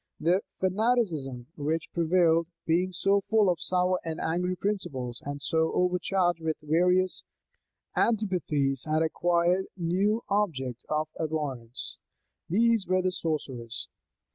The fanaticism which prevailed, being so full of sour and angry principles, and so overcharged with various antipathies, had acquired a new object of abhorrence: these were the sorcerers.